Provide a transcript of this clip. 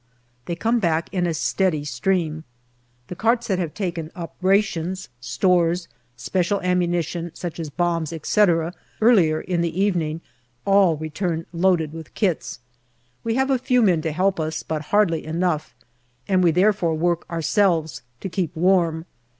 They come back in a steady stream. The carts that have taken up rations, stores, special ammunition, such as bombs, etc., earlier in the evening, all return loaded with kits. We have a few men to help us, but hardly enough, and we therefore work our selves to keep warm.